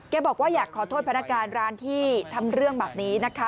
บอกว่าอยากขอโทษพนักงานร้านที่ทำเรื่องแบบนี้นะคะ